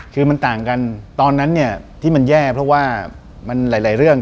คือมันต่างกันตอนนั้นเนี่ยที่มันแย่เพราะว่ามันหลายเรื่อง